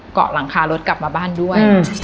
เกาะหลังคารถกลับมาบ้านด้วย